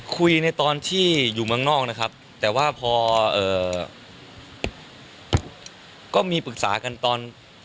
คุยในตอนที่อยู่เมืองนอกนะครับแต่ว่าพอก็มีปรึกษากันตอน